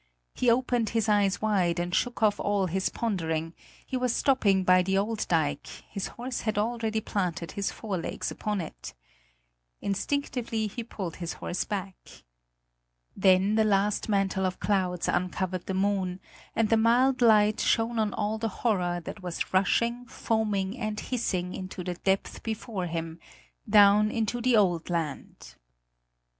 He opened his eyes wide and shook off all his pondering: he was stopping by the old dike; his horse had already planted his forelegs upon it. Instinctively he pulled his horse back. Then the last mantle of clouds uncovered the moon, and the mild light shone on all the horror that was rushing, foaming and hissing into the depth before him, down into the old land.